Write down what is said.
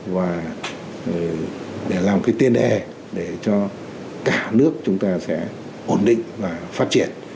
và để làm cái tiên đề để cho cả nước chúng ta sẽ ổn định và phát triển